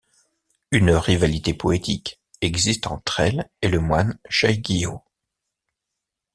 Une rivalité poétique existe entre elle et le moine Saigyō.